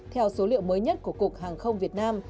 theo số liệu mới nhất của cục hàng không việt nam